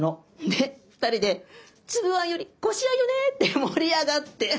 で二人で「つぶあんよりこしあんよね」って盛り上がって。